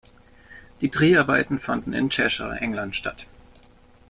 Die Dreharbeiten fanden in Cheshire, England statt.